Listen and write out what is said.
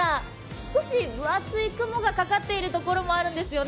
少し分厚い雲がかかっているところもあるんですよね。